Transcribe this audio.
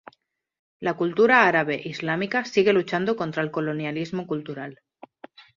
La cultura árabe islámica sigue luchando contra el colonialismo cultural.